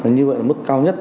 như vậy mức cao nhất